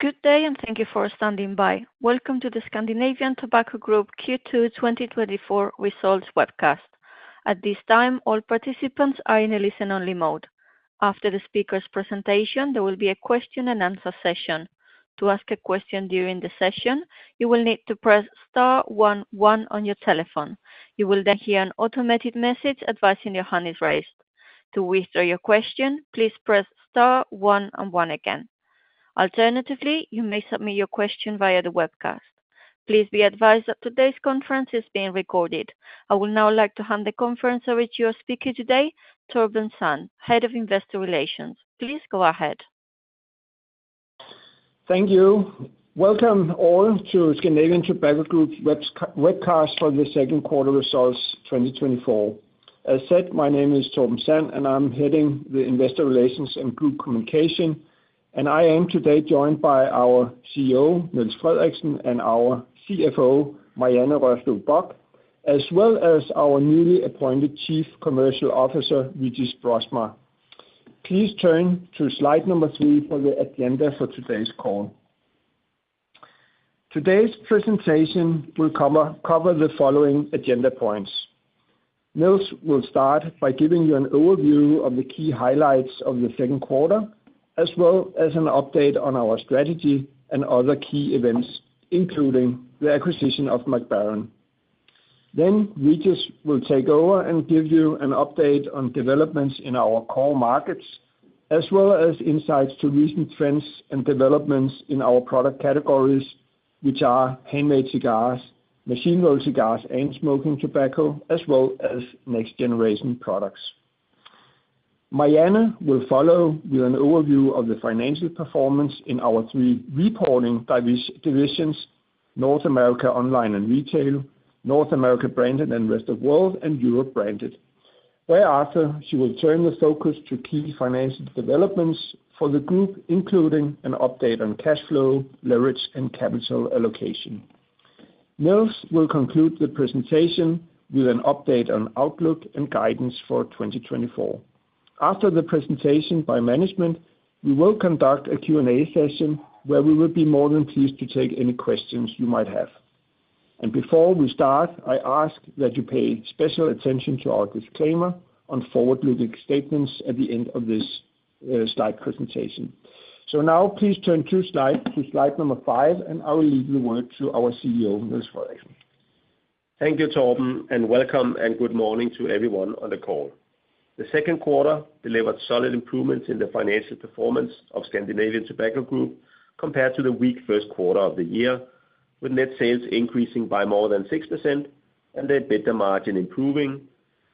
Good day, and thank you for standing by. Welcome to the Scandinavian Tobacco Group Q2 2024 Results Webcast. At this time, all participants are in a listen-only mode. After the speaker's presentation, there will be a question and answer session. To ask a question during the session, you will need to press star one, one on your telephone. You will then hear an automated message advising your hand is raised. To withdraw your question, please press star one, one again. Alternatively, you may submit your question via the webcast. Please be advised that today's conference is being recorded. I would now like to hand the conference over to your speaker today, Torben Sand, Head of Investor Relations. Please go ahead. Thank you. Welcome all to Scandinavian Tobacco Group webcast for the second quarter results twenty twenty-four. As said, my name is Torben Sand, and I'm heading the Investor Relations and Group Communication, and I am today joined by our CEO, Niels Frederiksen, and our CFO, Marianne Rørslev Bock, as well as our newly appointed Chief Commercial Officer,, Régis Broersma. Please turn to slide number three for the agenda for today's call. Today's presentation will cover the following agenda points. Niels will start by giving you an overview of the key highlights of the second quarter, as well as an update on our strategy and other key events, including the acquisition of Mac Baren. Régis will take over and give you an update on developments in our core markets, as well as insights to recent trends and developments in our product categories, which are handmade cigars, machine-rolled cigars, and smoking tobacco, as well as next-generation products. Marianne will follow with an overview of the financial performance in our three reporting divisions, North America Online and Retail, North America Branded and Rest of World, and Europe Branded. Thereafter, she will turn the focus to key financial developments for the group, including an update on cash flow, leverage, and capital allocation. Niels will conclude the presentation with an update on outlook and guidance for 2024. After the presentation by management, we will conduct a Q&A session, where we will be more than pleased to take any questions you might have. Before we start, I ask that you pay special attention to our disclaimer on forward-looking statements at the end of this slide presentation. Now please turn to slide number five, and I will leave the word to our CEO, Niels Frederiksen. Thank you, Torben, and welcome, and good morning to everyone on the call. The second quarter delivered solid improvements in the financial performance of Scandinavian Tobacco Group compared to the weak first quarter of the year, with net sales increasing by more than 6% and the EBITDA margin improving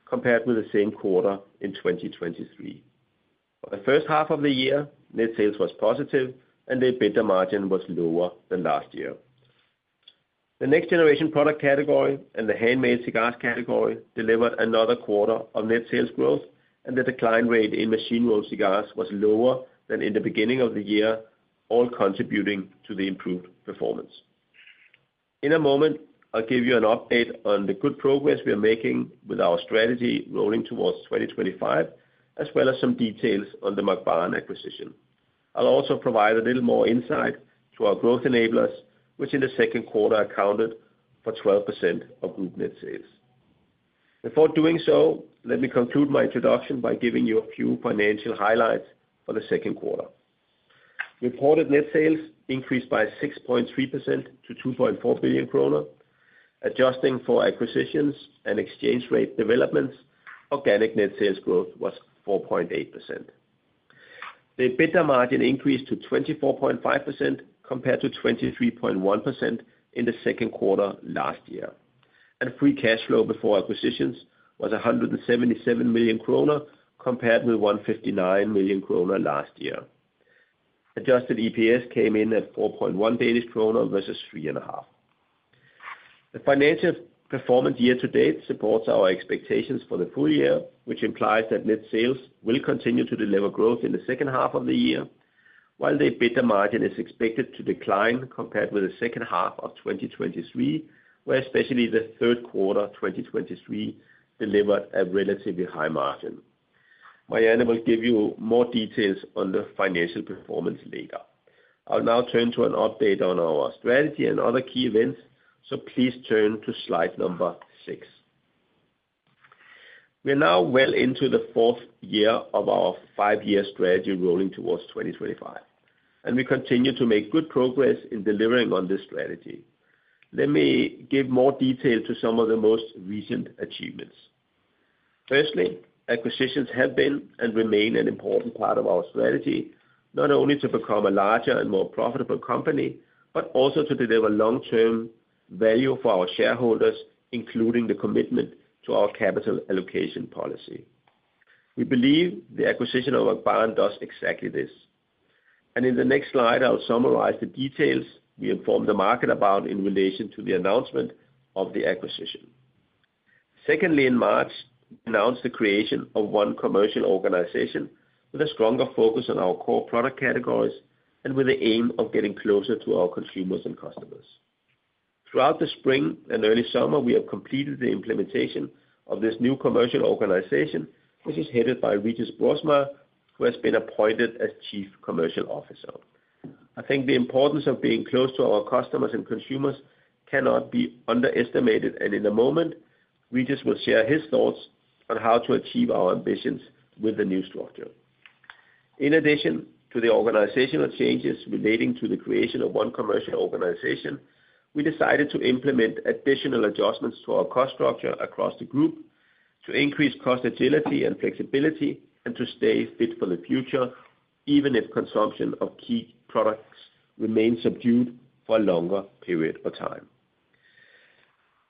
compared with the same quarter in 2023. For the first half of the year, net sales was positive, and the EBITDA margin was lower than last year. The next-generation product category and the handmade cigars category delivered another quarter of net sales growth, and the decline rate in machine-rolled cigars was lower than in the beginning of the year, all contributing to the improved performance. In a moment, I'll give you an update on the good progress we are making with our strategy rolling towards 2025, as well as some details on the Mac Baren acquisition. I'll also provide a little more insight to our growth enablers, which in the second quarter accounted for 12% of group net sales. Before doing so, let me conclude my introduction by giving you a few financial highlights for the second quarter. Reported net sales increased by 6.3% to 2.4 billion kroner. Adjusting for acquisitions and exchange rate developments, organic net sales growth was 4.8%. The EBITDA margin increased to 24.5%, compared to 23.1% in the second quarter last year, and free cash flow before acquisitions was 177 million kroner, compared with 159 million kroner last year. Adjusted EPS came in at 4.1 Danish kroner versus 3.5. The financial performance year to date supports our expectations for the full year, which implies that net sales will continue to deliver growth in the second half of the year, while the EBITDA margin is expected to decline compared with the second half of twenty twenty-three, where especially the third quarter of twenty twenty-three delivered a relatively high margin. Marianne will give you more details on the financial performance later. I'll now turn to an update on our strategy and other key events, so please turn to slide number six. We are now well into the fourth year of our five-year strategy, rolling towards twenty twenty-five, and we continue to make good progress in delivering on this strategy. Let me give more detail to some of the most recent achievements. Firstly, acquisitions have been and remain an important part of our strategy, not only to become a larger and more profitable company, but also to deliver long-term value for our shareholders, including the commitment to our capital allocation policy. We believe the acquisition of Mac Baren does exactly this, and in the next slide, I'll summarize the details we informed the market about in relation to the announcement of the acquisition. Secondly, in March, we announced the creation of one commercial organization with a stronger focus on our core product categories and with the aim of getting closer to our consumers and customers.… Throughout the spring and early summer, we have completed the implementation of this new commercial organization, which is headed by Régis Broersma, who has been appointed as Chief Commercial Officer. I think the importance of being close to our customers and consumers cannot be underestimated, and in a moment, Régis will share his thoughts on how to achieve our ambitions with the new structure. In addition to the organizational changes relating to the creation of one commercial organization, we decided to implement additional adjustments to our cost structure across the group to increase cost agility and flexibility, and to stay fit for the future, even if consumption of key products remains subdued for a longer period of time.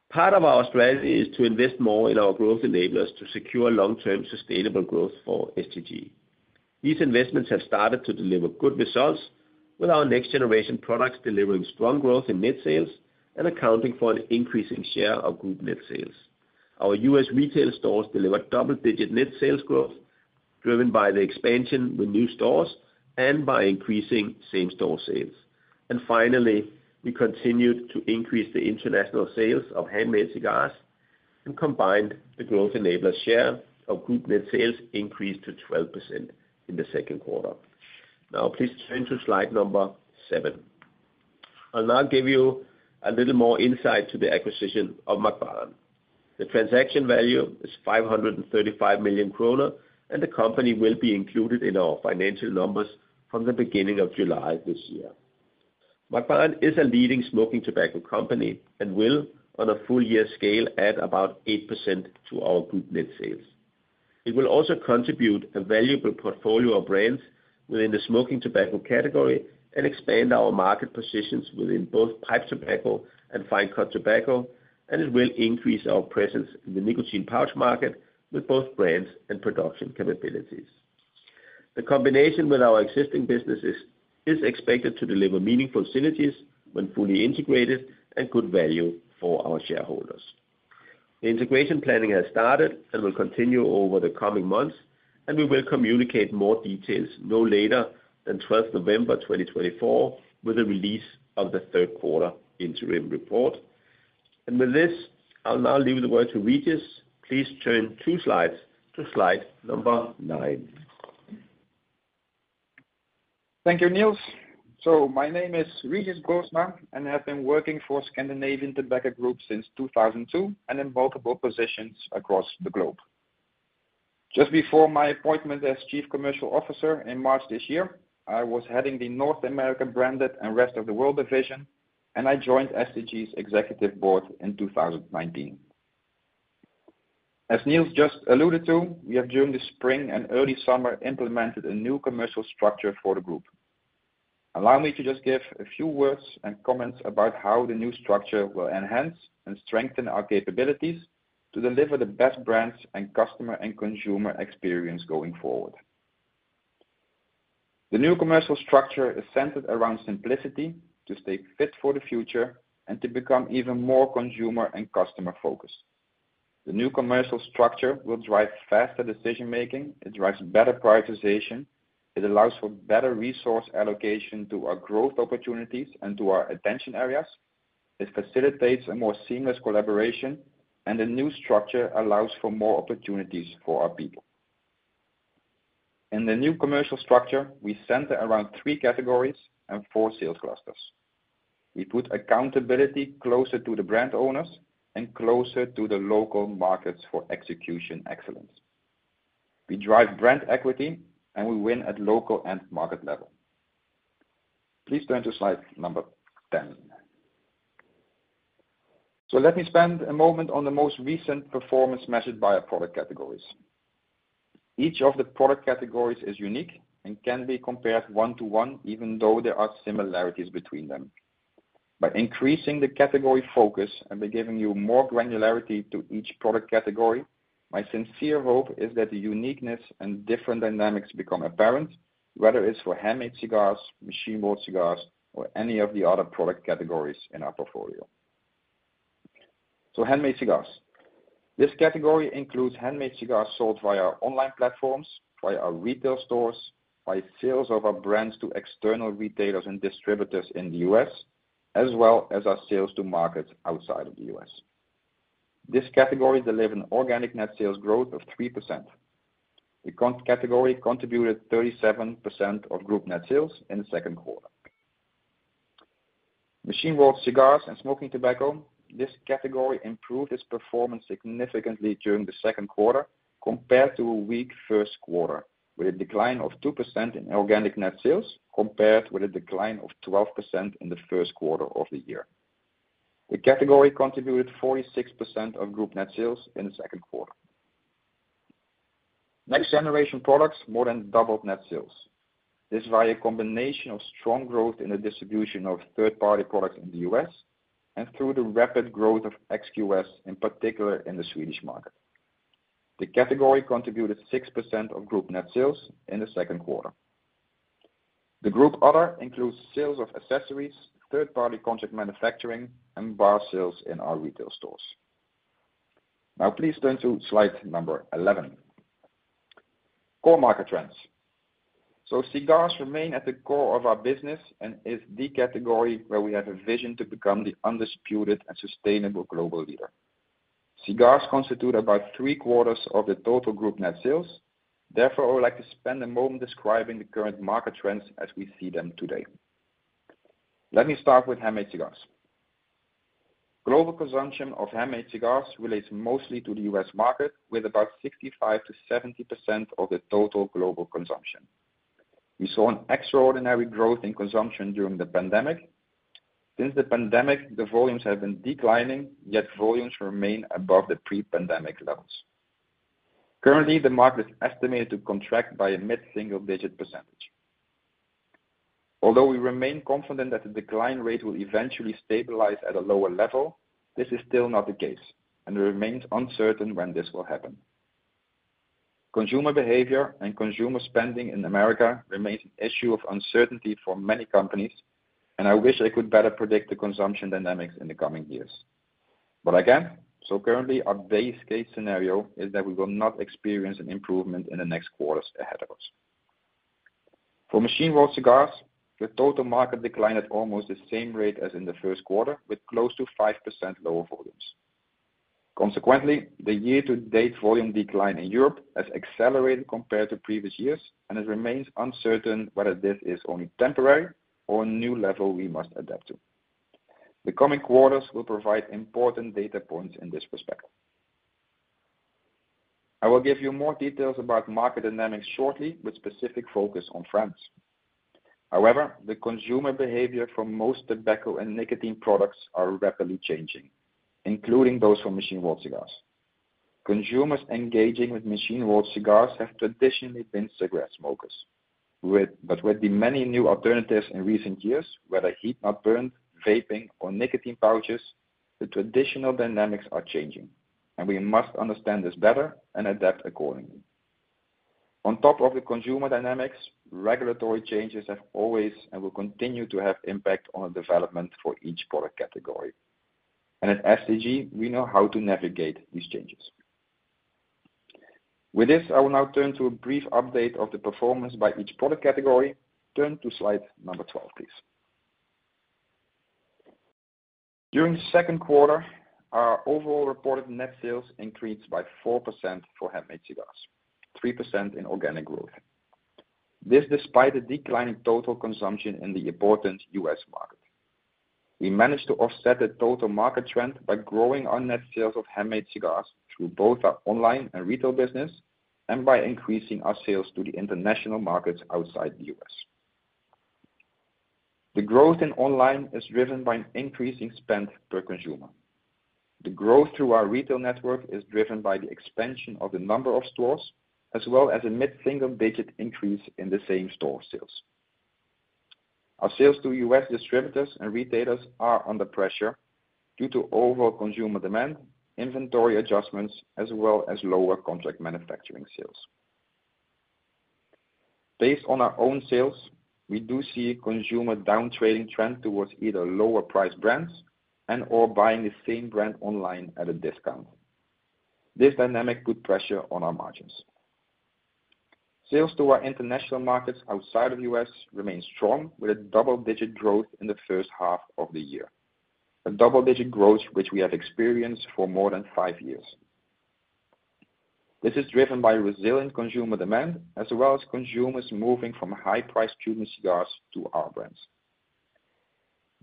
Part of our strategy is to invest more in our growth enablers to secure long-term sustainable growth for STG. These investments have started to deliver good results, with our next generation products delivering strong growth in net sales and accounting for an increasing share of group net sales. Our U.S. retail stores delivered double-digit net sales growth, driven by the expansion with new stores and by increasing same-store sales. And finally, we continued to increase the international sales of handmade cigars, and combined the Growth Enablers share of group net sales increased to 12% in the second quarter. Now, please turn to slide number 7. I'll now give you a little more insight to the acquisition of Mac Baren. The transaction value is 535 million kroner, and the company will be included in our financial numbers from the beginning of July this year. Mac Baren is a leading smoking tobacco company and will, on a full year scale, add about 8% to our group net sales. It will also contribute a valuable portfolio of brands within the smoking tobacco category and expand our market positions within both pipe tobacco and fine cut tobacco, and it will increase our presence in the nicotine pouch market with both brands and production capabilities. The combination with our existing businesses is expected to deliver meaningful synergies when fully integrated and good value for our shareholders. The integration planning has started and will continue over the coming months, and we will communicate more details no later than twelfth November, twenty twenty-four, with the release of the third quarter interim report. And with this, I'll now leave the word to Régis. Please turn two slides to slide number nine. Thank you, Niels. So my name is Régis Broersma, and I have been working for Scandinavian Tobacco Group since two thousand and two, and in multiple positions across the globe. Just before my appointment as Chief Commercial Officer in March this year, I was heading the North America Branded and Rest of World division, and I joined STG's executive board in two thousand and nineteen. As Niels just alluded to, we have, during the spring and early summer, implemented a new commercial structure for the group. Allow me to just give a few words and comments about how the new structure will enhance and strengthen our capabilities to deliver the best brands and customer and consumer experience going forward. The new commercial structure is centered around simplicity, to stay fit for the future and to become even more consumer and customer-focused. The new commercial structure will drive faster decision-making. It drives better prioritization. It allows for better resource allocation to our growth opportunities and to our attention areas. It facilitates a more seamless collaboration, and the new structure allows for more opportunities for our people. In the new commercial structure, we center around three categories and four sales clusters. We put accountability closer to the brand owners and closer to the local markets for execution excellence. We drive brand equity, and we win at local and market level. Please turn to slide number ten. So let me spend a moment on the most recent performance measured by our product categories. Each of the product categories is unique and can be compared one to one, even though there are similarities between them. By increasing the category focus and by giving you more granularity to each product category, my sincere hope is that the uniqueness and different dynamics become apparent, whether it's for handmade cigars, machine-rolled cigars, or any of the other product categories in our portfolio. So handmade cigars. This category includes handmade cigars sold via our online platforms, via our retail stores, by sales of our brands to external retailers and distributors in the U.S., as well as our sales to markets outside of the U.S. This category delivered an organic net sales growth of 3%. The category contributed 37% of group net sales in the second quarter. Machine-rolled cigars and smoking tobacco, this category improved its performance significantly during the second quarter compared to a weak first quarter, with a decline of 2% in organic net sales, compared with a decline of 12% in the first quarter of the year. The category contributed 46% of group net sales in the second quarter. Next generation products, more than doubled net sales. This via a combination of strong growth in the distribution of third-party products in the U.S. and through the rapid growth of XQS, in particular in the Swedish market. The category contributed 6% of group net sales in the second quarter. The Group Other includes sales of accessories, third-party contract manufacturing, and bar sales in our retail stores. Now please turn to slide number 11. Core market trends. So cigars remain at the core of our business, and is the category where we have a vision to become the undisputed and sustainable global leader. Cigars constitute about three quarters of the total group net sales, therefore, I would like to spend a moment describing the current market trends as we see them today. Let me start with handmade cigars. Global consumption of handmade cigars relates mostly to the U.S. market, with about 65%-70% of the total global consumption. We saw an extraordinary growth in consumption during the pandemic. Since the pandemic, the volumes have been declining, yet volumes remain above the pre-pandemic levels. Currently, the market is estimated to contract by a mid-single-digit %. Although we remain confident that the decline rate will eventually stabilize at a lower level, this is still not the case, and it remains uncertain when this will happen. Consumer behavior and consumer spending in America remains an issue of uncertainty for many companies, and I wish I could better predict the consumption dynamics in the coming years, but again, so currently, our base case scenario is that we will not experience an improvement in the next quarters ahead of us. For machine-rolled cigars, the total market declined at almost the same rate as in the first quarter, with close to 5% lower volumes. Consequently, the year-to-date volume decline in Europe has accelerated compared to previous years, and it remains uncertain whether this is only temporary or a new level we must adapt to. The coming quarters will provide important data points in this respect. I will give you more details about market dynamics shortly, with specific focus on trends. However, the consumer behavior for most tobacco and nicotine products are rapidly changing, including those from machine-rolled cigars. Consumers engaging with machine-rolled cigars have traditionally been cigarette smokers, but with the many new alternatives in recent years, whether heat-not-burnt, vaping or nicotine pouches, the traditional dynamics are changing, and we must understand this better and adapt accordingly. On top of the consumer dynamics, regulatory changes have always, and will continue to have impact on the development for each product category. And at STG, we know how to navigate these changes. With this, I will now turn to a brief update of the performance by each product category. Turn to slide number twelve, please. During the second quarter, our overall reported net sales increased by 4% for handmade cigars, 3% in organic growth. This, despite a decline in total consumption in the important U.S. market. We managed to offset the total market trend by growing our net sales of handmade cigars through both our online and retail business, and by increasing our sales to the international markets outside the U.S. The growth in online is driven by an increasing spend per consumer. The growth through our retail network is driven by the expansion of the number of stores, as well as a mid-single-digit increase in the same store sales. Our sales to U.S. distributors and retailers are under pressure due to overall consumer demand, inventory adjustments, as well as lower contract manufacturing sales. Based on our own sales, we do see a consumer downtrading trend towards either lower priced brands and/or buying the same brand online at a discount. This dynamic put pressure on our margins. Sales to our international markets outside of U.S. remain strong, with a double-digit growth in the first half of the year. A double-digit growth, which we have experienced for more than five years. This is driven by resilient consumer demand, as well as consumers moving from high-priced Cuban cigars to our brands.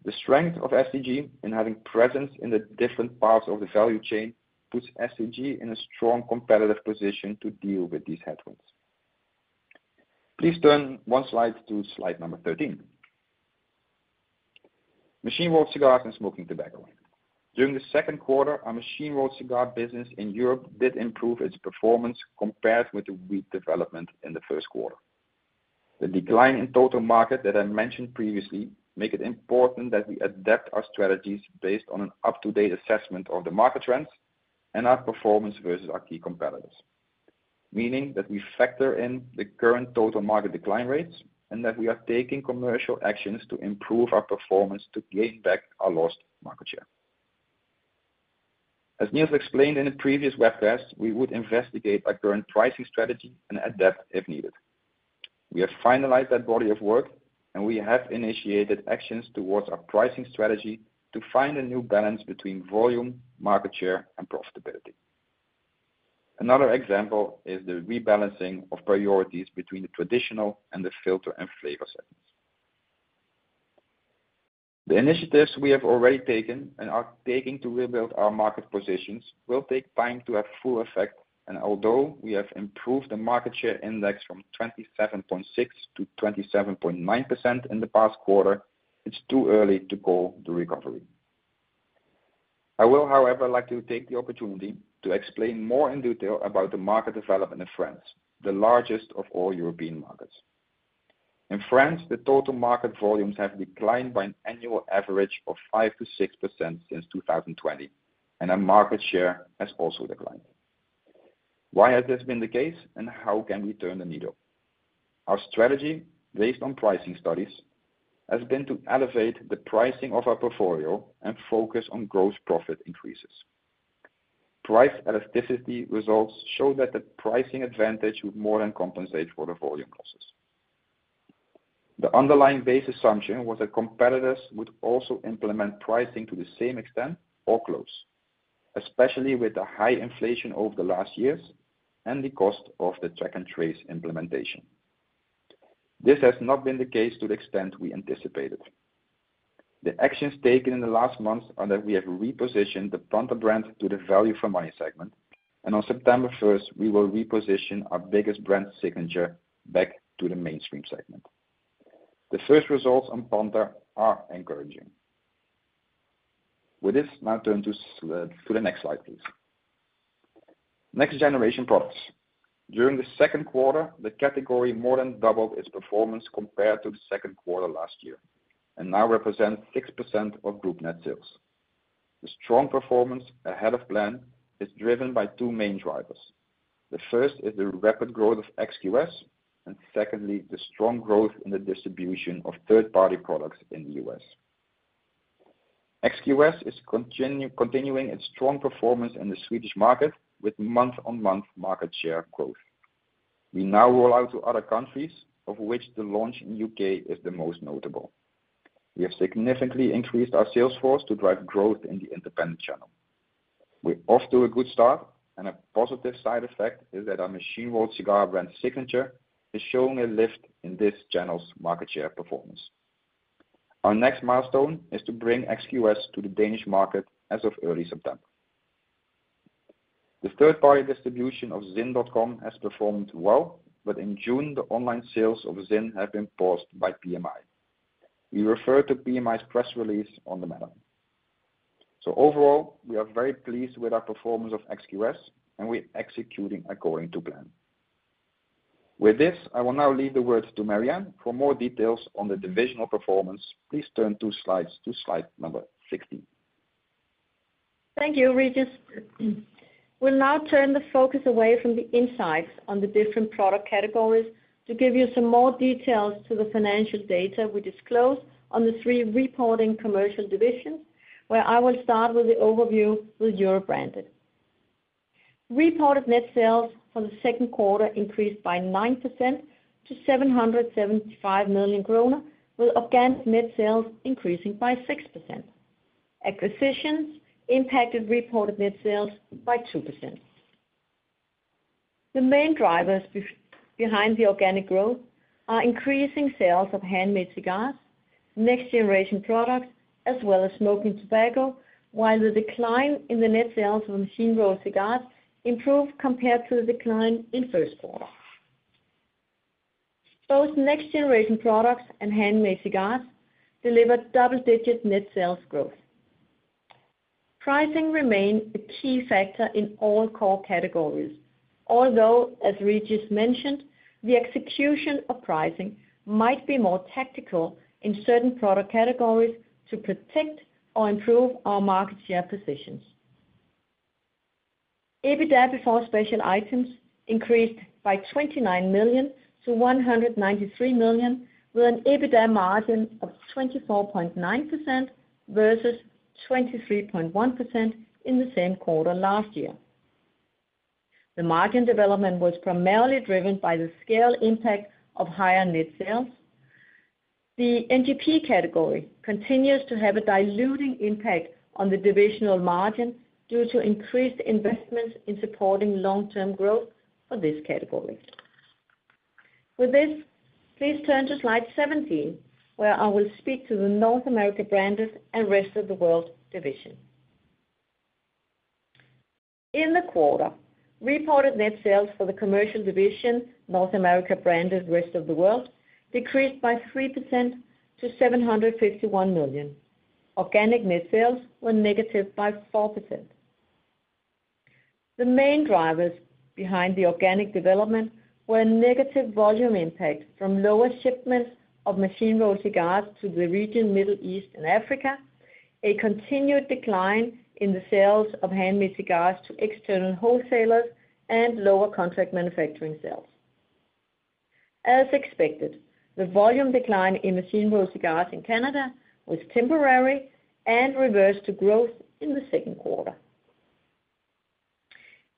The strength of STG in having presence in the different parts of the value chain, puts STG in a strong competitive position to deal with these headwinds. Please turn one slide to slide number 13. Machine-rolled cigars and smoking tobacco. During the second quarter, our machine-rolled cigar business in Europe did improve its performance compared with the weak development in the first quarter. The decline in total market that I mentioned previously, make it important that we adapt our strategies based on an up-to-date assessment of the market trends and our performance versus our key competitors. Meaning, that we factor in the current total market decline rates, and that we are taking commercial actions to improve our performance to gain back our lost market share. As Niels explained in a previous webcast, we would investigate our current pricing strategy and adapt if needed. We have finalized that body of work, and we have initiated actions towards our pricing strategy to find a new balance between volume, market share, and profitability. Another example is the rebalancing of priorities between the traditional and the filter and flavor segments. The initiatives we have already taken and are taking to rebuild our market positions, will take time to have full effect. And although we have improved the market share index from twenty-seven point six to twenty-seven point nine% in the past quarter, it's too early to call the recovery. I will, however, like to take the opportunity to explain more in detail about the market development in France, the largest of all European markets. In France, the total market volumes have declined by an annual average of 5%-6% since 2020, and our market share has also declined. Why has this been the case, and how can we turn the needle? Our strategy, based on pricing studies, has been to elevate the pricing of our portfolio and focus on gross profit increases. Price elasticity results show that the pricing advantage would more than compensate for the volume losses. The underlying base assumption was that competitors would also implement pricing to the same extent or close, especially with the high inflation over the last years and the cost of the track and trace implementation. This has not been the case to the extent we anticipated. The actions taken in the last months are that we have repositioned the Panter brand to the value for money segment, and on September first, we will reposition our biggest brand, Signature, back to the mainstream segment. The first results on Panter are encouraging. With this, now turn to the next slide, please. Next generation products. During the second quarter, the category more than doubled its performance compared to the second quarter last year, and now represents 6% of group net sales. The strong performance ahead of plan is driven by two main drivers. The first is the rapid growth of XQS, and secondly, the strong growth in the distribution of third-party products in the U.S. XQS is continuing its strong performance in the Swedish market with month-on-month market share growth. We now roll out to other countries, of which the launch in U.K. is the most notable. We have significantly increased our sales force to drive growth in the independent channel. We're off to a good start, and a positive side effect is that our machine-rolled cigar brand, Signature, is showing a lift in this channel's market share performance. Our next milestone is to bring XQS to the Danish market as of early September. The third-party distribution of ZYN.com has performed well, but in June, the online sales of ZYN have been paused by PMI. We refer to PMI's press release on the matter. So overall, we are very pleased with our performance of XQS, and we're executing according to plan. With this, I will now leave the word to Marianne for more details on the divisional performance. Please turn two slides to slide number 16. Thank you, Régis. We'll now turn the focus away from the insights on the different product categories to give you some more details to the financial data we disclosed on the three reporting commercial divisions, where I will start with the overview with Europe Branded. Reported net sales for the second quarter increased by 9% to 775 million kroner, with organic net sales increasing by 6%. Acquisitions impacted reported net sales by 2%. The main drivers behind the organic growth are increasing sales of handmade cigars, next generation products, as well as smoking tobacco, while the decline in the net sales of machine-rolled cigars improved compared to the decline in first quarter. Both next generation products and handmade cigars delivered double-digit net sales growth. Pricing remained a key factor in all core categories, although, as Régis mentioned, the execution of pricing might be more tactical in certain product categories to protect or improve our market share positions. EBITDA before special items increased by 29 million to 193 million, with an EBITDA margin of 24.9% versus 23.1% in the same quarter last year. The margin development was primarily driven by the scale impact of higher net sales. The NGP category continues to have a diluting impact on the divisional margin due to increased investments in supporting long-term growth for this category. With this, please turn to Slide 17, where I will speak to the North America Branded and Rest of World division. In the quarter, reported net sales for the commercial division, North America Branded and Rest of World, decreased 3% to 751 million. Organic net sales were negative 4%. The main drivers behind the organic development were a negative volume impact from lower shipments of machine-rolled cigars to the region, Middle East and Africa, a continued decline in the sales of handmade cigars to external wholesalers, and lower contract manufacturing sales. As expected, the volume decline in machine-rolled cigars in Canada was temporary and reversed to growth in the second quarter.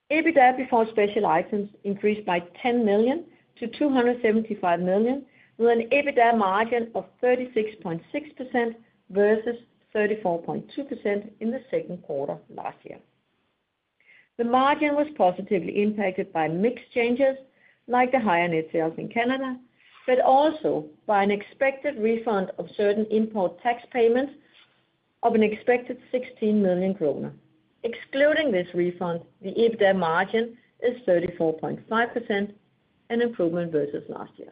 EBITDA before special items increased by 10 million to 275 million, with an EBITDA margin of 36.6% versus 34.2% in the second quarter last year. The margin was positively impacted by mix changes, like the higher net sales in Canada, but also by an expected refund of certain import tax payments of an expected 16 million kroner. Excluding this refund, the EBITDA margin is 34.5%, an improvement versus last year.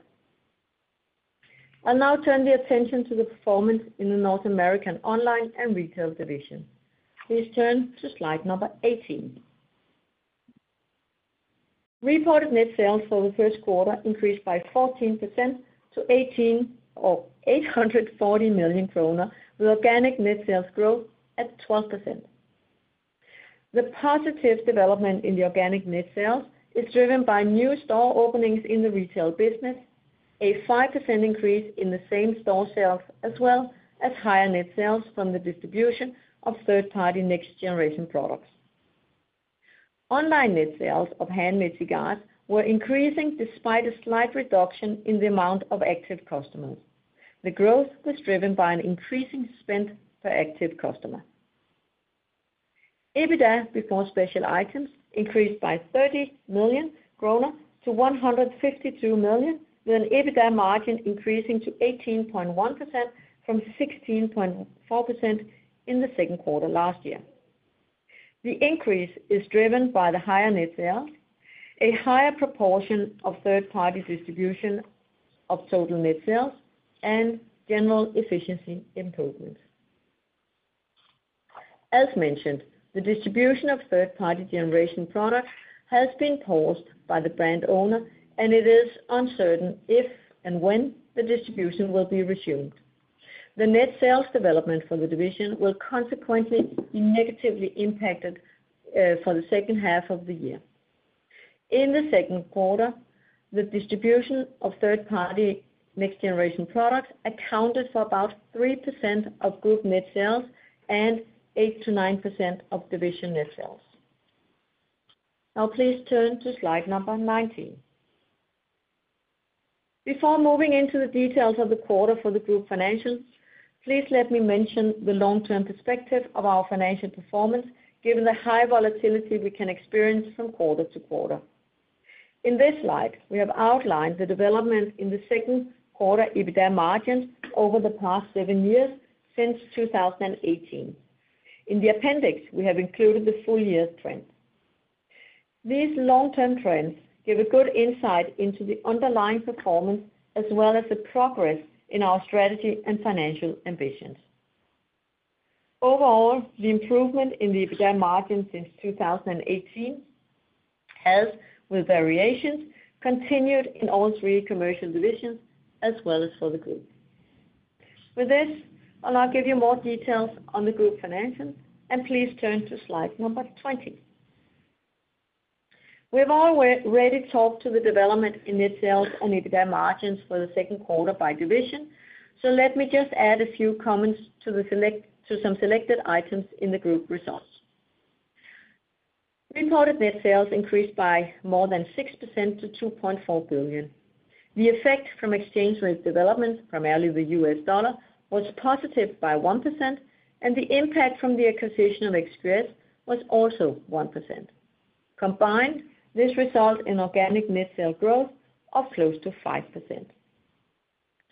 I'll now turn the attention to the performance in the North America Online and Retail division. Please turn to slide 18. Reported net sales for the first quarter increased by 14% to 840 million kroner, with organic net sales growth at 12%. The positive development in the organic net sales is driven by new store openings in the retail business, a 5% increase in the same-store sales, as well as higher net sales from the distribution of third-party next-generation products. Online net sales of handmade cigars were increasing despite a slight reduction in the amount of active customers. The growth was driven by an increasing spend per active customer. EBITDA before special items increased by 30 million kroner to 152 million, with an EBITDA margin increasing to 18.1% from 16.4% in the second quarter last year. The increase is driven by the higher net sales, a higher proportion of third-party distribution of total net sales, and general efficiency improvements. As mentioned, the distribution of third-party next-generation products has been paused by the brand owner, and it is uncertain if and when the distribution will be resumed. The net sales development for the division will consequently be negatively impacted for the second half of the year. In the second quarter, the distribution of third-party next-generation products accounted for about 3% of group net sales and 8%-9% of division net sales. Now please turn to slide number 19. Before moving into the details of the quarter for the group financials, please let me mention the long-term perspective of our financial performance, given the high volatility we can experience from quarter to quarter. In this slide, we have outlined the development in the second quarter EBITDA margins over the past 7 years since 2018. In the appendix, we have included the full year trend. These long-term trends give a good insight into the underlying performance, as well as the progress in our strategy and financial ambitions. Overall, the improvement in the EBITDA margin since 2018 has, with variations, continued in all three commercial divisions as well as for the group. With this, I'll now give you more details on the group financials, and please turn to slide number 20. We've already talked to the development in net sales and EBITDA margins for the second quarter by division, so let me just add a few comments to some selected items in the group results. Reported net sales increased by more than 6% to 2.4 billion. The effect from exchange rate development, primarily 1USD, was positive by 1%, and the impact from the acquisition of XQS was also 1%. Combined, this results in organic net sales growth of close to 5%.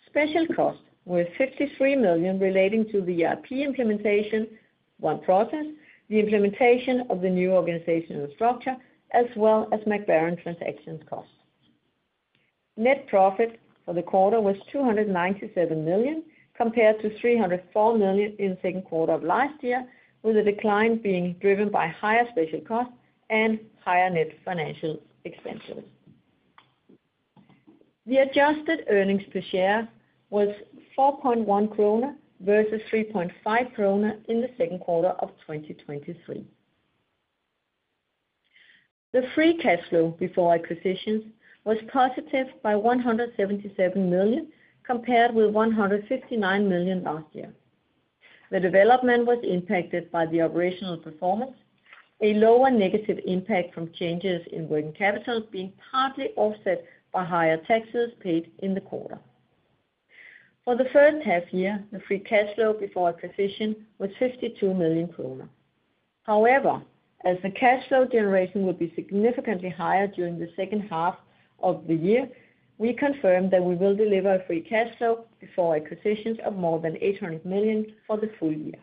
Special costs were 53 million relating to the ERP implementation, OneProcess, the implementation of the new organizational structure, as well as Mac Baren transaction costs. Net profit for the quarter was 297 million, compared to 304 million in the second quarter of last year, with the decline being driven by higher special costs and higher net financial expenses. The adjusted earnings per share was 4.1 krone versus 3.5 krone in the second quarter of 2023. The free cash flow before acquisitions was positive by 177 million, compared with 159 million last year. The development was impacted by the operational performance, a lower negative impact from changes in working capital being partly offset by higher taxes paid in the quarter. For the first half year, the free cash flow before acquisition was 52 million kroner. However, as the cash flow generation will be significantly higher during the second half of the year, we confirm that we will deliver a free cash flow before acquisitions of more than 800 million for the full year.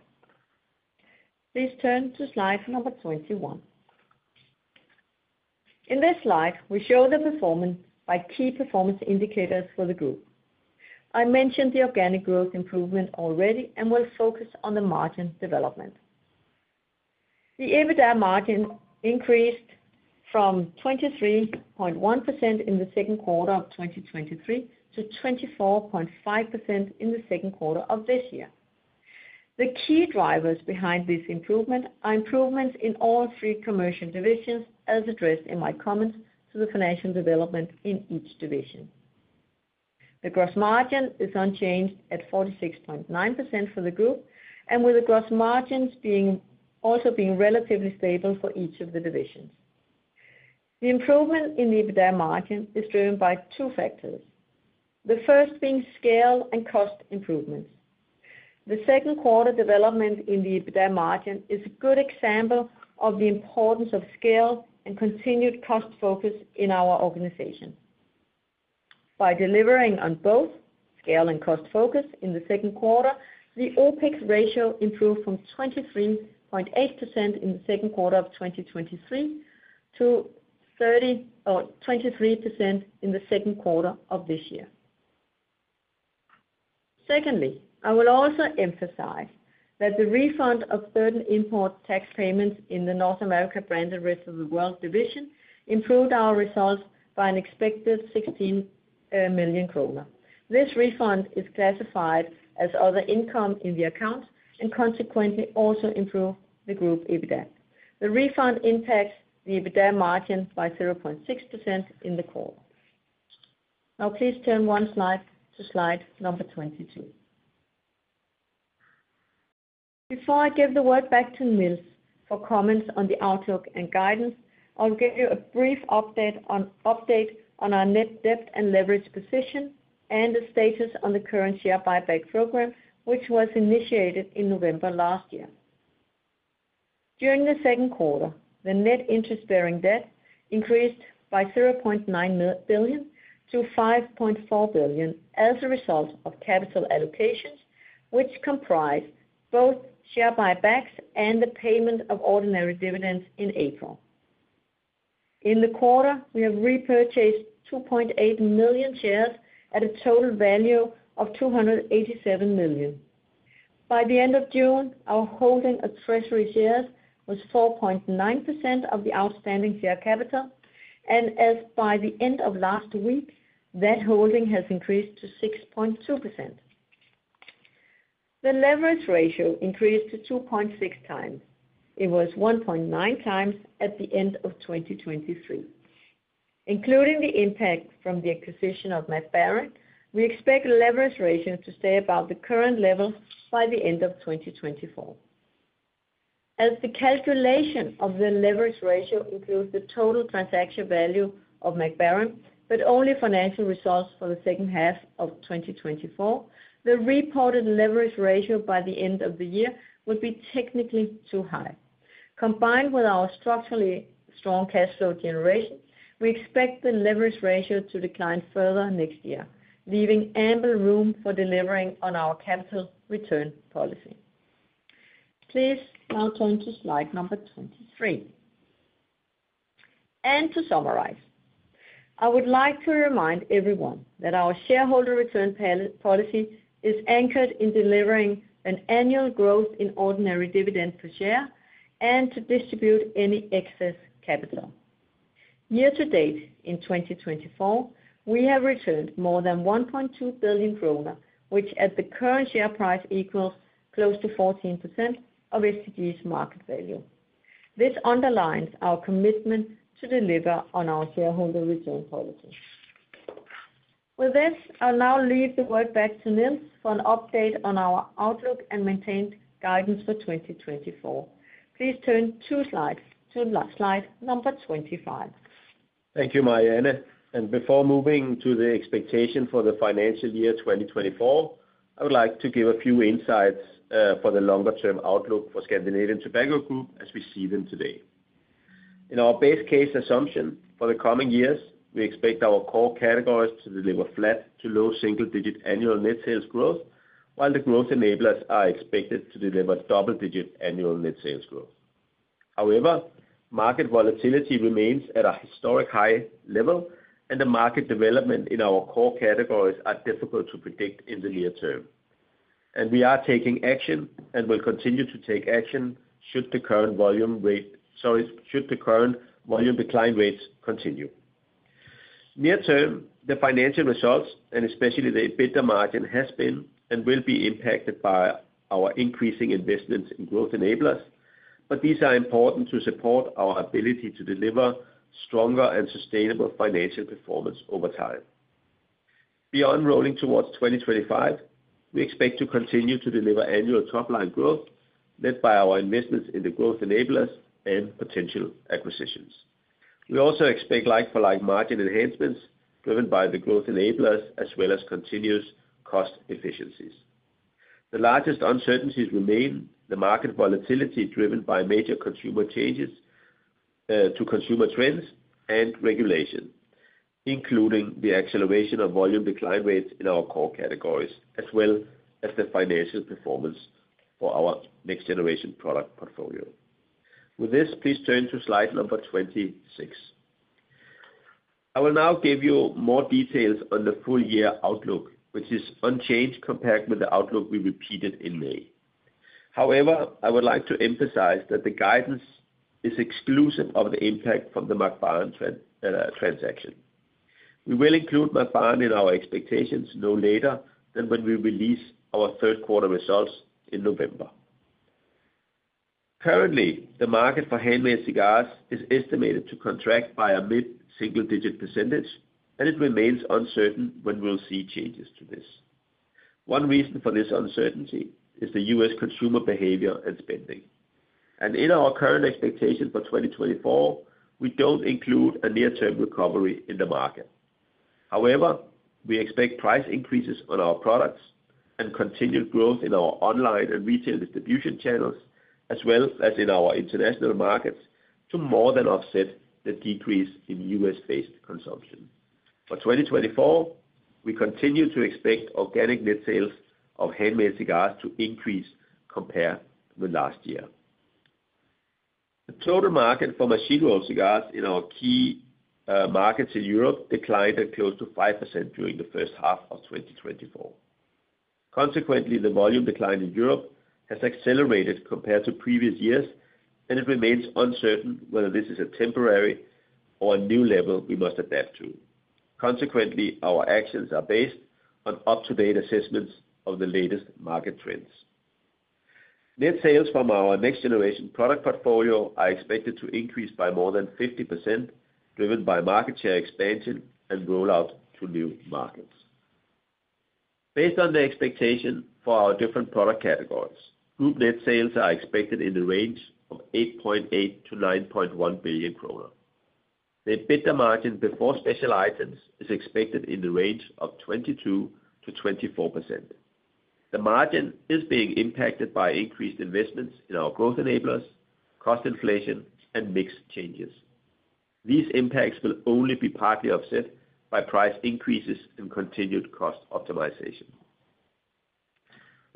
Please turn to slide number 21. In this slide, we show the performance by key performance indicators for the group. I mentioned the organic growth improvement already and will focus on the margin development. The EBITDA margin increased from 23.1% in the second quarter of 2023 to 24.5% in the second quarter of this year. The key drivers behind this improvement are improvements in all three commercial divisions, as addressed in my comments to the financial development in each division. The gross margin is unchanged at 46.9% for the group, and with the gross margins being also relatively stable for each of the divisions. The improvement in the EBITDA margin is driven by two factors. The first being scale and cost improvements. The second quarter development in the EBITDA margin is a good example of the importance of scale and continued cost focus in our organization. By delivering on both scale and cost focus in the second quarter, the OpEx ratio improved from 23.8% in the second quarter of 2023 to 23.0%, or 23% in the second quarter of this year. Secondly, I will also emphasize that the refund of certain import tax payments in the North America Branded and Rest of World division improved our results by an expected one million kroner. This refund is classified as other income in the account, and consequently also improve the group EBITDA. The refund impacts the EBITDA margin by 0.6% in the quarter. Now please turn one slide to slide number 22. Before I give the word back to Niels for comments on the outlook and guidance, I'll give you a brief update on our net debt and leverage position, and the status on the current share buyback program, which was initiated in November last year. During the second quarter, the net interest-bearing debt increased by 0.9 billion to 5.4 billion as a result of capital allocations, which comprise both share buybacks and the payment of ordinary dividends in April. In the quarter, we have repurchased 2.8 million shares at a total value of 287 million. By the end of June, our holding of treasury shares was 4.9% of the outstanding share capital, and as of the end of last week, that holding has increased to 6.2%. The leverage ratio increased to 2.6 times. It was 1.9 times at the end of 2023. Including the impact from the acquisition of Mac Baren, we expect leverage ratio to stay about the current level by the end of 2024. As the calculation of the leverage ratio includes the total transaction value of Mac Baren, but only financial results for the second half of 2024, the reported leverage ratio by the end of the year will be technically too high. Combined with our structurally strong cash flow generation, we expect the leverage ratio to decline further next year, leaving ample room for delivering on our capital return policy. Please now turn to slide number 23. To summarize, I would like to remind everyone that our shareholder return policy is anchored in delivering an annual growth in ordinary dividend per share and to distribute any excess capital. Year to date, in 2024, we have returned more than 1.2 billion kroner, which at the current share price, equals close to 14% of STG's market value. This underlines our commitment to deliver on our shareholder return policy. With this, I'll now leave the word back to Niels for an update on our outlook and maintained guidance for 2024. Please turn two slides to slide number 25. Thank you, Marianne, and before moving to the expectation for the financial year 2024, I would like to give a few insights for the longer-term outlook for Scandinavian Tobacco Group as we see them today. In our base case assumption, for the coming years, we expect our core categories to deliver flat to low single-digit annual net sales growth, while the growth enablers are expected to deliver double-digit annual net sales growth. However, market volatility remains at a historic high level, and the market development in our core categories are difficult to predict in the near term. And we are taking action and will continue to take action should the current volume decline rates continue. Near term, the financial results, and especially the EBITDA margin, has been and will be impacted by our increasing investments in growth enablers, but these are important to support our ability to deliver stronger and sustainable financial performance over time. Beyond rolling towards twenty twenty-five, we expect to continue to deliver annual top-line growth, led by our investments in the growth enablers and potential acquisitions. We also expect like-for-like margin enhancements driven by the growth enablers as well as continuous cost efficiencies. The largest uncertainties remain the market volatility driven by major consumer changes to consumer trends and regulation, including the acceleration of volume decline rates in our core categories, as well as the financial performance for our next-generation product portfolio. With this, please turn to slide number 26. I will now give you more details on the full year outlook, which is unchanged compared with the outlook we repeated in May. However, I would like to emphasize that the guidance is exclusive of the impact from the Mac Baren transaction. We will include Mac Baren in our expectations no later than when we release our third quarter results in November. Currently, the market for handmade cigars is estimated to contract by a mid-single digit percentage, and it remains uncertain when we'll see changes to this. One reason for this uncertainty is the U.S. consumer behavior and spending. And in our current expectation for 2024, we don't include a near-term recovery in the market. However, we expect price increases on our products and continued growth in our online and retail distribution channels, as well as in our international markets, to more than offset the decrease in U.S.-based consumption. For twenty twenty-four, we continue to expect organic net sales of handmade cigars to increase compared with last year. The total market for machine-rolled cigars in our key markets in Europe declined at close to 5% during the first half of twenty twenty-four. Consequently, the volume decline in Europe has accelerated compared to previous years, and it remains uncertain whether this is a temporary or a new level we must adapt to. Consequently, our actions are based on up-to-date assessments of the latest market trends. Net sales from our next generation product portfolio are expected to increase by more than 50%, driven by market share expansion and rollout to new markets. Based on the expectation for our different product categories, group net sales are expected in the range of 8.8-9.1 billion kroner. The EBITDA margin before special items is expected in the range of 22%-24%. The margin is being impacted by increased investments in our growth enablers, cost inflation, and mix changes. These impacts will only be partly offset by price increases and continued cost optimization.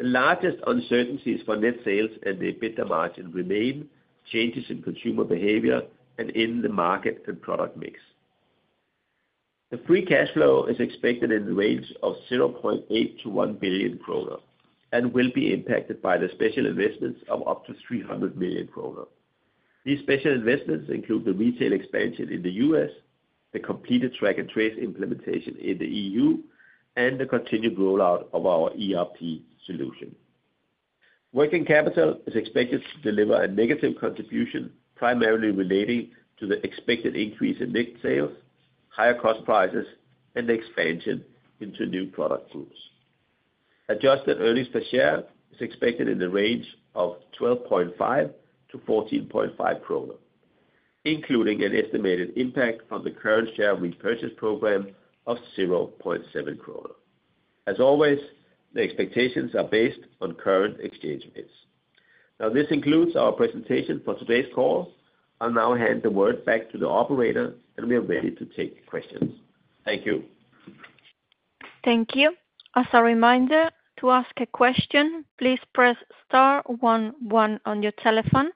The largest uncertainties for net sales and the EBITDA margin remain changes in consumer behavior and in the market and product mix. The free cash flow is expected in the range of 0.8-1 billion krone, and will be impacted by the special investments of up to 300 million krone. These special investments include the retail expansion in the U.S., the completed track and trace implementation in the E.U., and the continued rollout of our ERP solution. Working capital is expected to deliver a negative contribution, primarily relating to the expected increase in net sales, higher cost prices, and the expansion into new product groups. Adjusted earnings per share is expected in the range of 12.5-14.5 kroner, including an estimated impact on the current share repurchase program of 0.7. As always, the expectations are based on current exchange rates. Now, this concludes our presentation for today's call. I'll now hand the word back to the operator, and we are ready to take questions. Thank you. Thank you. As a reminder, to ask a question, please press star one, one on your telephone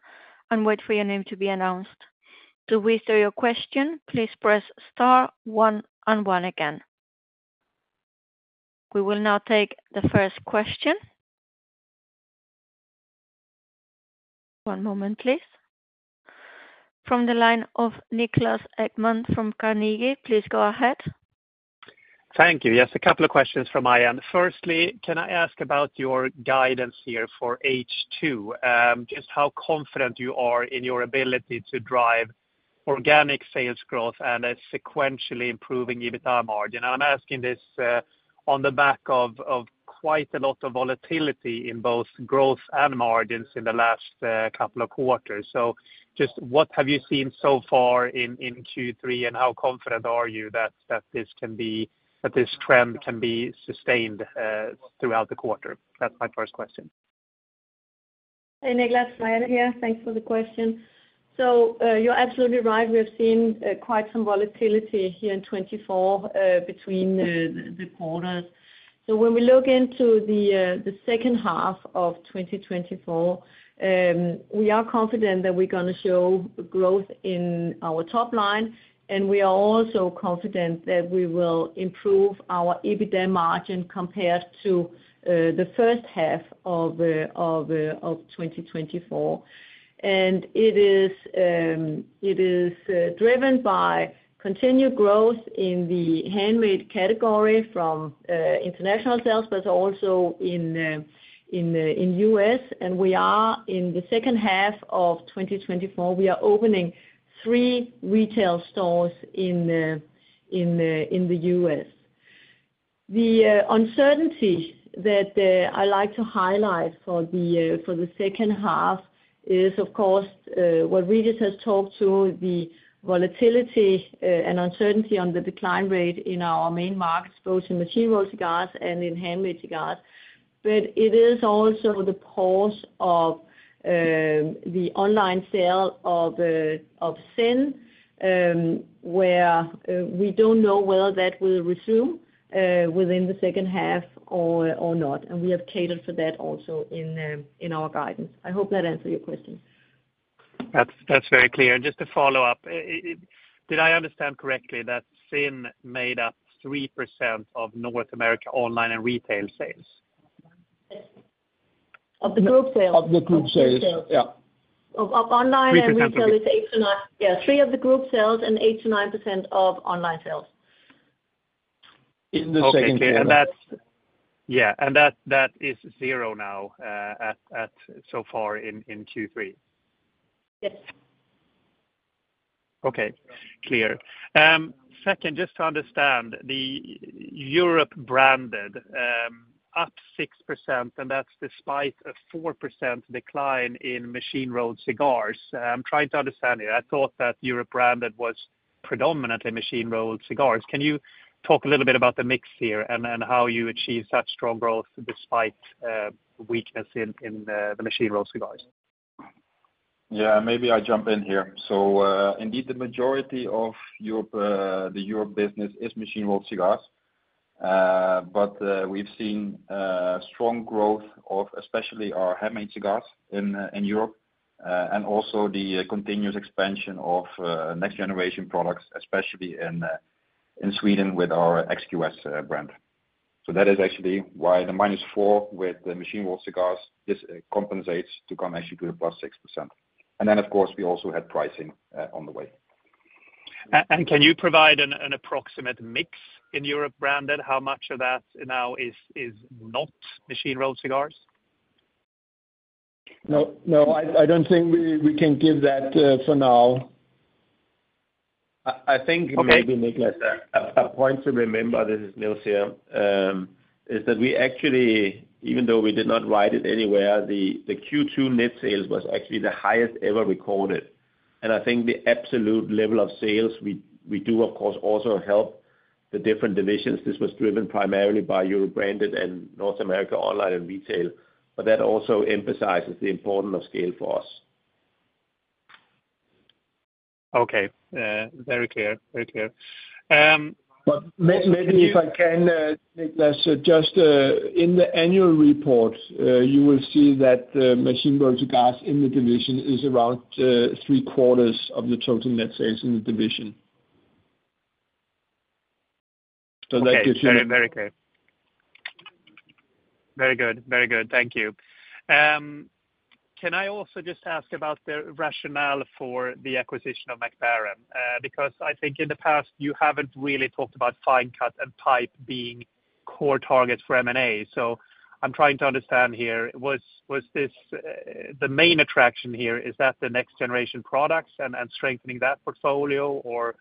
and wait for your name to be announced. To withdraw your question, please press star one and one again. We will now take the first question. One moment, please. From the line of Niklas Ekman from Carnegie, please go ahead. Thank you. Yes, a couple of questions from my end. Firstly, can I ask about your guidance here for H2? Just how confident you are in your ability to drive organic sales growth and a sequentially improving EBITDA margin. I'm asking this on the back of quite a lot of volatility in both growth and margins in the last couple of quarters. So just what have you seen so far in Q3, and how confident are you that this trend can be sustained throughout the quarter? That's my first question. Hey, Niklas, Marianne here. Thanks for the question. So, you're absolutely right. We have seen quite some volatility here in 2024 between the quarters. So when we look into the second half of 2024, we are confident that we're gonna show growth in our top line, and we are also confident that we will improve our EBITDA margin compared to the first half of 2024. And it is driven by continued growth in the handmade category from international sales, but also in the U.S. And we are in the second half of 2024, we are opening three retail stores in the U.S. The uncertainty that I like to highlight for the second half is, of course, what Régis has talked to, the volatility and uncertainty on the decline rate in our main markets, both in machine-rolled cigars and in handmade cigars, but it is also the pause of the online sale of ZYN, where we don't know whether that will resume within the second half or not, and we have catered for that also in our guidance. I hope that answered your question. That's very clear. Just to follow up, did I understand correctly that ZYN made up 3% of North America Online and Retail sales? Of the group sales? Of the group sales, yeah. Of online and retail. Three percent. Yeah, 3% of the group sales and 8-9% of online sales. In the second quarter. Okay, and that's... Yeah, and that is zero now, at so far in Q3? Yes. Okay, clear. Second, just to understand, the Europe Branded, up 6%, and that's despite a 4% decline in machine-rolled cigars. I'm trying to understand here. I thought that Europe Branded was predominantly machine-rolled cigars. Can you talk a little bit about the mix here, and then how you achieve such strong growth despite weakness in the machine-rolled cigars? Yeah, maybe I jump in here. So, indeed, the majority of Europe, the Europe business is machine-rolled cigars. But, we've seen strong growth of especially our handmade cigars in Europe.... and also the continuous expansion of next generation products, especially in Sweden with our XQS brand. So that is actually why the -4% with the machine rolled cigars, this compensates to come actually to a +6%. And then, of course, we also had pricing on the way. And can you provide an approximate mix in Europe Branded? How much of that now is not machine-rolled cigars? No, no. I don't think we can give that for now. I think maybe- Okay. Niklas, a point to remember, this is Niels here, is that we actually, even though we did not write it anywhere, the Q2 net sales was actually the highest ever recorded. And I think the absolute level of sales we do, of course, also help the different divisions. This was driven primarily by Europe Branded and North America Online and Retail, but that also emphasizes the importance of scale for us. Okay. Very clear, very clear. But- Maybe, maybe if I can, Niklas, just, in the annual report, you will see that machine-rolled cigars in the division is around three quarters of the total net sales in the division. So that gives you- Okay. Very, very clear. Very good. Very good. Thank you. Can I also just ask about the rationale for the acquisition of Mac Baren? Because I think in the past, you haven't really talked about fine cut and pipe being core targets for M&A. So I'm trying to understand here, was this the main attraction here, is that the next generation products and strengthening that portfolio? Or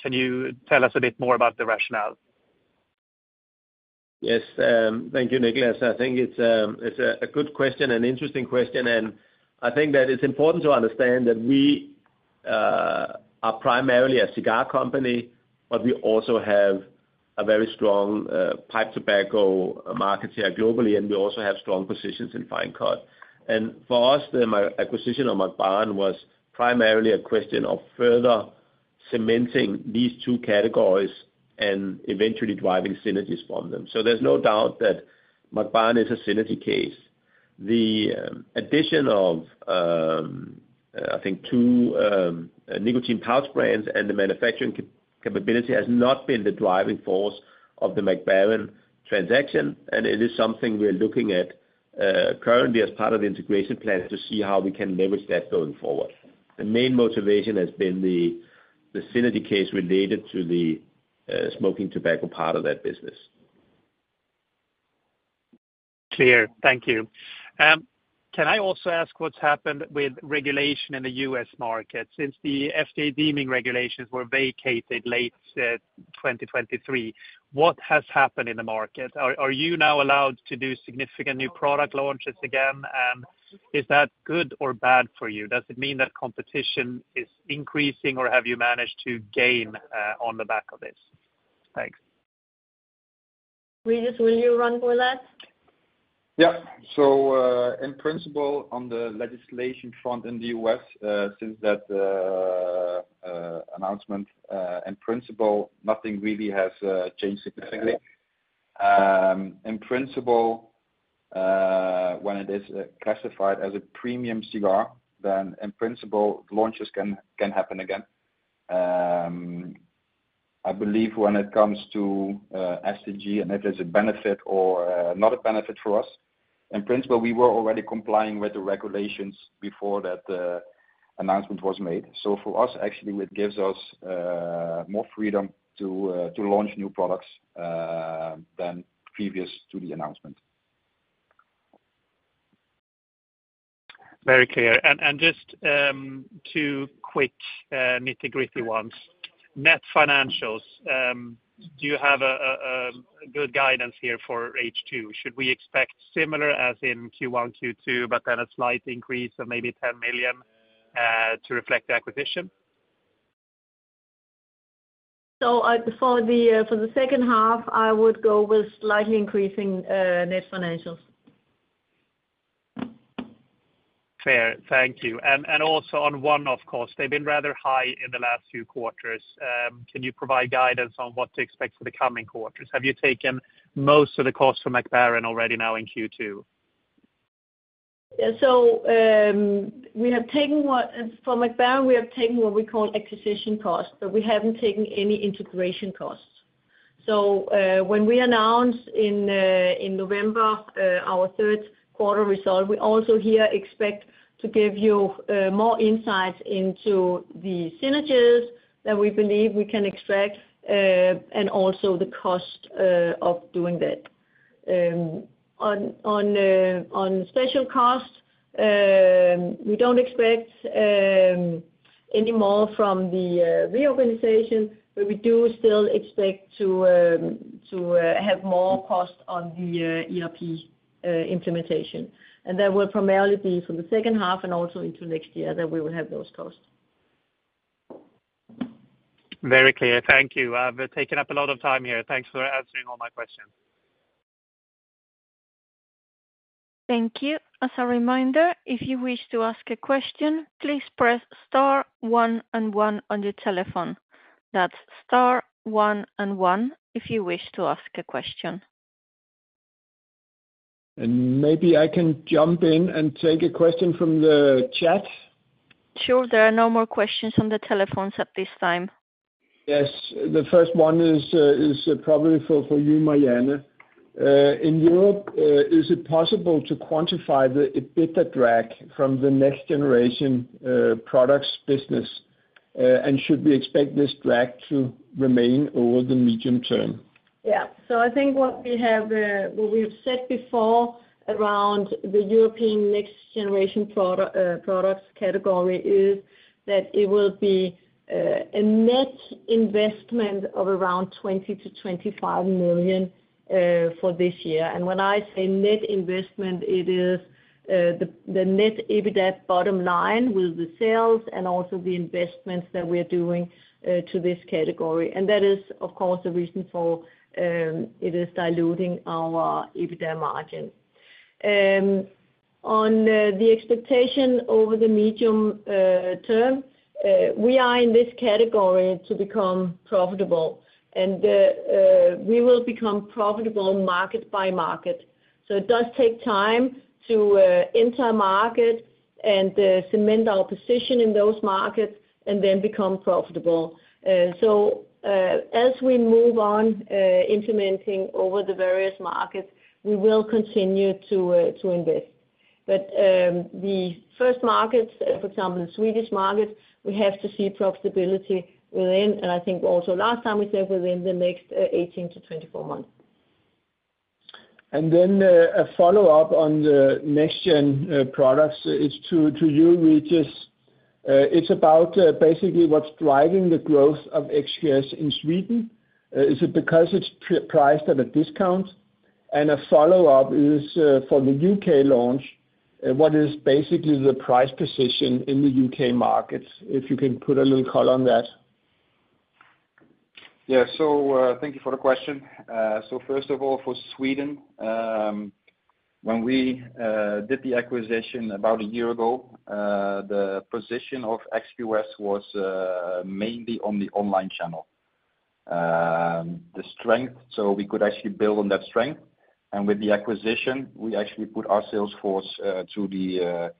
can you tell us a bit more about the rationale? Yes, thank you, Niklas. I think it's a good question, an interesting question, and I think that it's important to understand that we are primarily a cigar company, but we also have a very strong pipe tobacco market share globally, and we also have strong positions in fine cut, and for us, the acquisition of Mac Baren was primarily a question of further cementing these two categories and eventually driving synergies from them, so there's no doubt that Mac Baren is a synergy case. The addition of, I think, two nicotine pouch brands and the manufacturing capability has not been the driving force of the Mac Baren transaction, and it is something we're looking at currently as part of the integration plan to see how we can leverage that going forward. The main motivation has been the synergy case related to the smoking tobacco part of that business. Clear. Thank you. Can I also ask what's happened with regulation in the U.S. market? Since the FDA deeming regulations were vacated late 2023, what has happened in the market? Are you now allowed to do significant new product launches again? And is that good or bad for you? Does it mean that competition is increasing, or have you managed to gain on the back of this? Thanks. Régis, will you run with that? Yeah. So, in principle, on the legislation front in the U.S., since that announcement, in principle, nothing really has changed significantly. In principle, when it is classified as a premium cigar, then in principle, launches can happen again. I believe when it comes to TG, and if there's a benefit or not a benefit for us, in principle, we were already complying with the regulations before that announcement was made. So for us, actually, it gives us more freedom to launch new products than previous to the announcement. Very clear. Just two quick nitty-gritty ones. Net financials, do you have a good guidance here for H2? Should we expect similar as in Q1, Q2, but then a slight increase of maybe 10 million to reflect the acquisition? So, for the second half, I would go with slightly increasing net financials. Fair. Thank you. And, and also on one-off costs, they've been rather high in the last few quarters. Can you provide guidance on what to expect for the coming quarters? Have you taken most of the costs for Mac Baren already now in Q2? Yeah, so, we have taken what we call acquisition costs for Mac Baren, but we haven't taken any integration costs. So, when we announce in November our third quarter result, we also here expect to give you more insights into the synergies that we believe we can extract, and also the cost of doing that. On special costs, we don't expect any more from the reorganization, but we do still expect to have more costs on the ERP implementation. And that will primarily be for the second half and also into next year that we will have those costs. Very clear. Thank you. I've taken up a lot of time here. Thanks for answering all my questions. Thank you. As a reminder, if you wish to ask a question, please press star one and one on your telephone. That's star one and one if you wish to ask a question. ... And maybe I can jump in and take a question from the chat. Sure. There are no more questions on the telephones at this time. Yes, the first one is probably for you, Marianne. In Europe, is it possible to quantify the EBITDA drag from the next generation products business, and should we expect this drag to remain over the medium term? Yeah. So I think what we have, what we've said before around the European next-generation products category is that it will be a net investment of around 20-25 million for this year. And when I say net investment, it is the net EBITDA bottom line with the sales and also the investments that we're doing to this category. And that is, of course, the reason for it is diluting our EBITDA margin. On the expectation over the medium term we are in this category to become profitable, and we will become profitable market by market. So it does take time to enter a market and cement our position in those markets and then become profitable. So, as we move on, implementing over the various markets, we will continue to invest. But, the first markets, for example, the Swedish market, we have to see profitability within, and I think also last time we said within the next eighteen to twenty-four months. And then, a follow-up on the next gen products. It's to you, Régis. It's about basically what's driving the growth of XQS in Sweden. Is it because it's priced at a discount? And a follow-up is for the UK launch, what is basically the price position in the UK markets, if you can put a little color on that. Yeah, so, thank you for the question, so first of all, for Sweden, when we did the acquisition about a year ago, the position of XQS was mainly on the online channel. The strength, so we could actually build on that strength, and with the acquisition, we actually put our sales force to the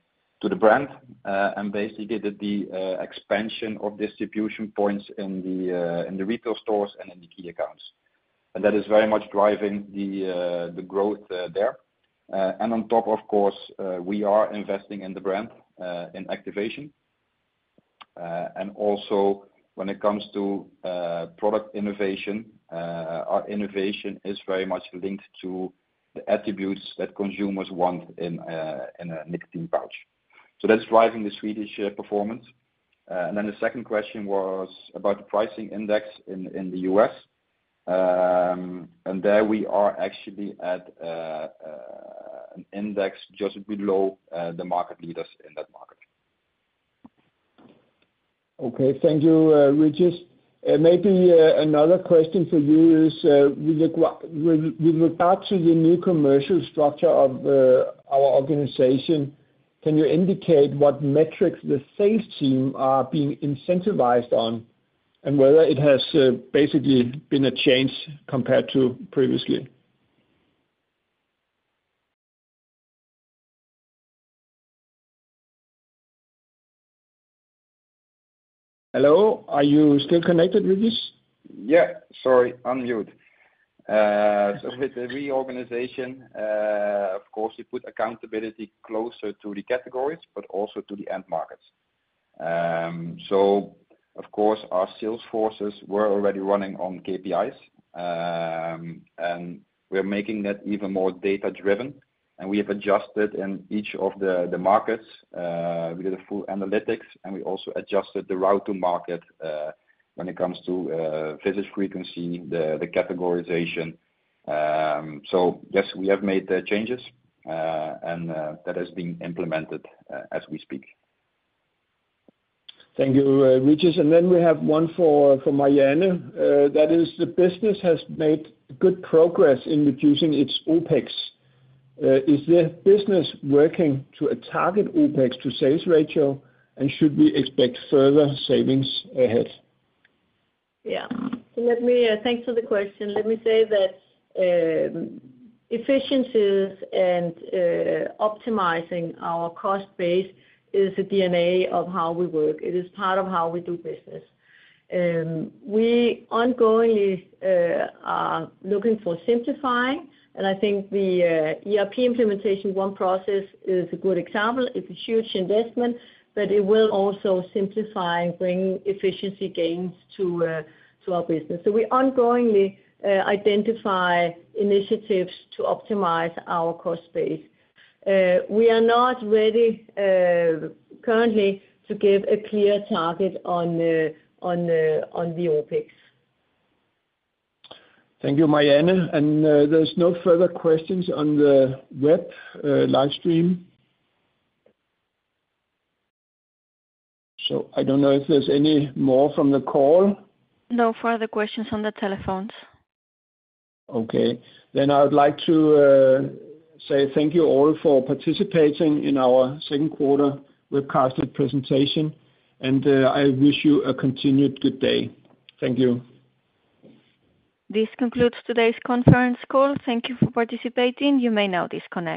brand, and basically did the expansion of distribution points in the retail stores and in the key accounts, and that is very much driving the growth there. On top, of course, we are investing in the brand in activation, and also when it comes to product innovation, our innovation is very much linked to the attributes that consumers want in a nicotine pouch. So that's driving the Swedish performance. And then the second question was about the pricing index in the U.S. And there we are actually at an index just below the market leaders in that market. Okay. Thank you, Régis. Maybe another question for you is, with regard to the new commercial structure of our organization, can you indicate what metrics the sales team are being incentivized on, and whether it has basically been a change compared to previously? Hello, are you still connected, Régis? Yeah. Sorry, unmute. So with the reorganization, of course, we put accountability closer to the categories, but also to the end markets. So of course, our sales forces were already running on KPIs. And we're making that even more data-driven, and we have adjusted in each of the markets. We did a full analytics, and we also adjusted the route to market, when it comes to visit frequency, the categorization. So yes, we have made the changes, and that is being implemented, as we speak. Thank you, Régis. And then we have one for Marianne. That is, the business has made good progress in reducing its OpEx. Is the business working to a target OpEx to sales ratio, and should we expect further savings ahead? Yeah. So let me... Thanks for the question. Let me say that, efficiencies and optimizing our cost base is the DNA of how we work. It is part of how we do business. We ongoingly are looking for simplifying, and I think the ERP implementation, OneProcess, is a good example. It's a huge investment, but it will also simplify and bring efficiency gains to our business. So we ongoingly identify initiatives to optimize our cost base. We are not ready currently to give a clear target on the OpEx. Thank you, Marianne. And, there's no further questions on the web, live stream. So I don't know if there's any more from the call. No further questions on the telephones. Okay. Then I would like to say thank you all for participating in our second quarter webcast presentation, and I wish you a continued good day. Thank you. This concludes today's conference call. Thank you for participating. You may now disconnect.